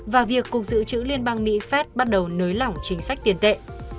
và việc cục dự trữ liên bang mỹ phép bắt đầu nới lỏng chính sách tiền tệ